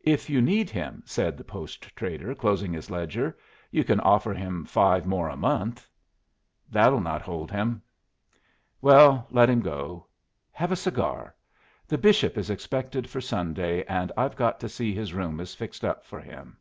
"If you need him," said the post trader, closing his ledger, "you can offer him five more a month." "That'll not hold him." "Well, let him go. Have a cigar. The bishop is expected for Sunday, and I've got to see his room is fixed up for him."